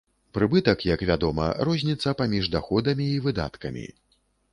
Прыбытак, як вядома, розніца паміж даходамі і выдаткамі.